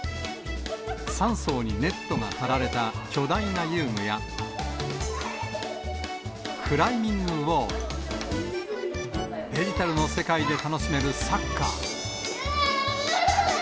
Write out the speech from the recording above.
３層にネットが張られた巨大な遊具や、クライミングウォール、デジタルの世界で楽しめるサッカー。